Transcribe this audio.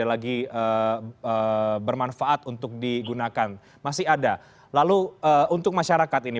lalu untuk masyarakat ini